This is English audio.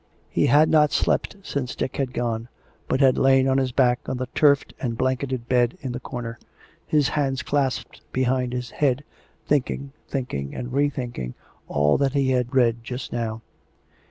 He had not slept since Dick had gone, but had lain on his back on the turfed and blanketed bed in the corner, his hands clasped behind his head, thinking, thinking and re thinking all that he had read just now.